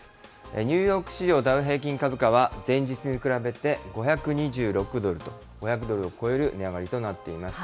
ニューヨーク市場、ダウ平均株価は、前日に比べて５２６ドルと、５００ドルを超える値上がりとなっています。